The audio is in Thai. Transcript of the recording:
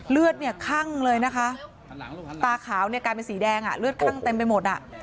เลือดคั่งเลยนะคะตาขาวกลายเป็นสีแดงเลือดคั่งเต็มไปหมด